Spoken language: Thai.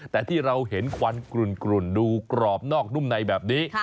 แต่ที่เราเห็นควันกลุ่นดูกรอบนอกนุ่มในแบบนี้